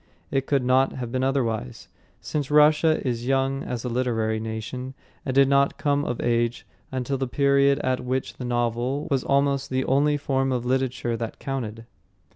It could not have been otherwise, since Russia is young as a literary nation, and did not come of age until the period at which the novel was almost the only form of literature that counted.